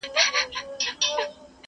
خو وجدان يې نه پرېږدي تل,